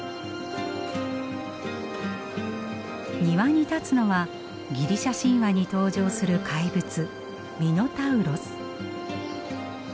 庭に立つのはギリシャ神話に登場する怪物ミノタウロス。